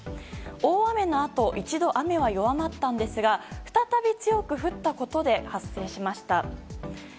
大雨のあと一度雨は弱まったんですが再び強く降ったことで発生しました。